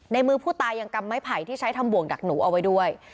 ในมือผู้ตายังกำไม้ไผ่ที่ใช้ทำบ่วงดักหนูเอาไว้ด้วย